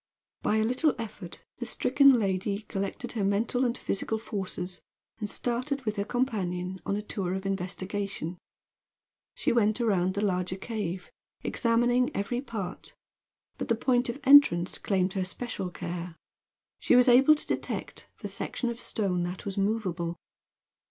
By a little effort the stricken lady collected her mental and physical forces, and started, with her companion, on a tour of investigation. She went around the larger cave, examining every part; but the point of entrance claimed her special care. She was able to detect the section of stone that was movable.